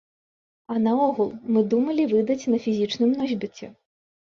А наогул, мы думалі выдаць на фізічным носьбіце.